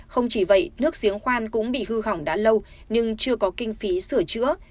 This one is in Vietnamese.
không chỉ vậy nước giếng khoan cũng bị hư hỏng đã lâu nhưng chưa có kinh phí sửa chữa